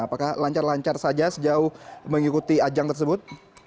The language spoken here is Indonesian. apakah lancar lancar saja sejauh mengikuti ajang tersebut